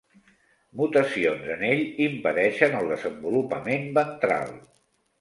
Mutacions en ell, impedeixen el desenvolupament ventral.